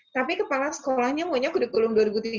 tapi kepala sekolahnya maunya kurikulum dua ribu tiga belas